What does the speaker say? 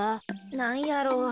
なんやろ？